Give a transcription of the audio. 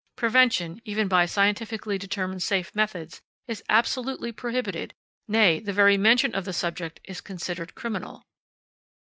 Prevention, even by scientifically determined safe methods, is absolutely prohibited; nay, the very mention of the subject is considered criminal.